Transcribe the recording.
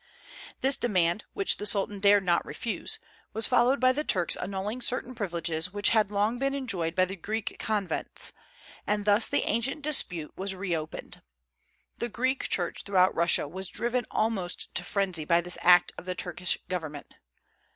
This demand, which the Sultan dared not refuse, was followed by the Turks' annulling certain privileges which had long been enjoyed by the Greek convents; and thus the ancient dispute was reopened. The Greek Church throughout Russia was driven almost to frenzy by this act of the Turkish government.